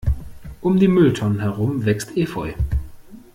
Um die Mülltonnen herum wächst Efeu.